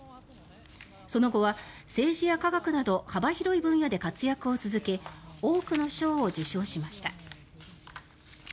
その後は政治や科学など幅広い分野で活躍を続け多くの賞を受賞しました。